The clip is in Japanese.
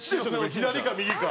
左か右か。